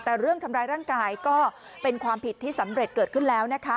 แต่เรื่องทำร้ายร่างกายก็เป็นความผิดที่สำเร็จเกิดขึ้นแล้วนะคะ